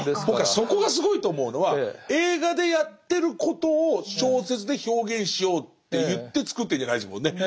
僕はそこがすごいと思うのは映画でやってることを小説で表現しようっていって作ってんじゃないですもんね。